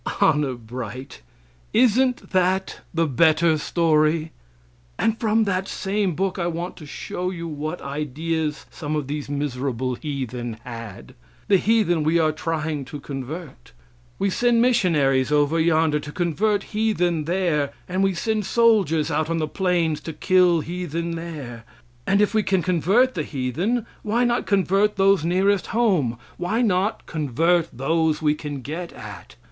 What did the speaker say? Honor bright, isn't that the better story? And from that same book I want to show you what ideas some of these miserable heathen had the heathen we are trying to convert. We send missionaries over yonder to convert heathen there, and we send soldiers out on the plains to kill heathen there. If we can convert the heathen, why not convert those nearest home? Why not convert those we can get at?